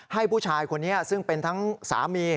ให้ผู้ชายคนนี้ซึ่งเป็นทั้งสามี